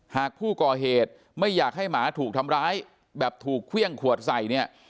หากผู้ก่อเหตุไม่อยากให้หมาถูกทำร้ายแบบถูกเครื่องขวดใส่เนี่ย